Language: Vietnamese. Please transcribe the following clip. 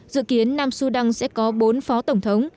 dự kiến nam sudan sẽ có bốn phó tổng thống